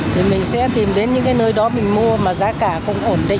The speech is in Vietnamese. thì mình sẽ tìm đến những cái nơi đó mình mua mà giá cả cũng ổn định